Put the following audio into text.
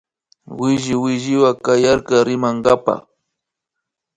Williwilliwan kayarka rimankapa